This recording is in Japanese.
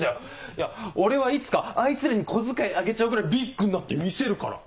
いや俺はいつかあいつらに小遣いあげちゃうぐらいビッグになってみせるから。